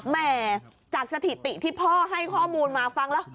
แม่จากสถิติที่พ่อให้ข้อมูลมาฟังแล้ว